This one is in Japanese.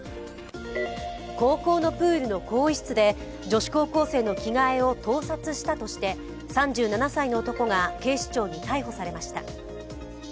高校のプールの更衣室で女子高校生の着替えを盗撮したとして３７歳の男が警視庁に逮捕されました。